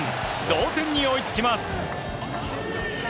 同点に追いつきます。